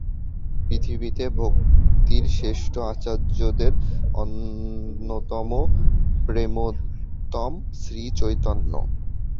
পৃথিবীতে ভক্তির শ্রেষ্ঠ আচার্যদের অন্যতম প্রেমোন্মত্ত শ্রীচৈতন্য।